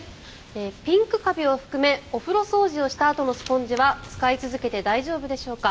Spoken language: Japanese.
ピンクカビを含めお風呂掃除をしたあとのスポンジは使い続けて大丈夫でしょうか？